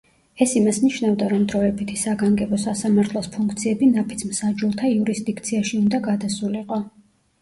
ეს იმას ნიშნავდა, რომ დროებითი საგანგებო სასამართლოს ფუნქციები ნაფიც-მსაჯულთა იურისდიქციაში უნდა გადასულიყო.